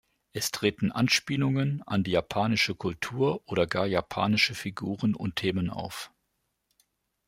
Es treten Anspielungen an die japanische Kultur oder gar japanische Figuren und Themen auf.